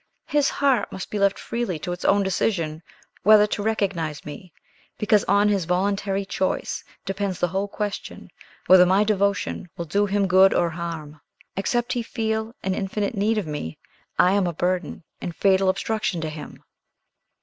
his heart must be left freely to its own decision whether to recognize me, because on his voluntary choice depends the whole question whether my devotion will do him good or harm. Except he feel an infinite need of me, I am a burden and fatal obstruction to him!"